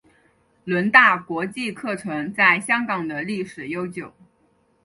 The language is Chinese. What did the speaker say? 伦大国际课程在香港的历史悠久。